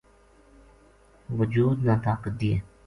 وجود نا طاقت دیئے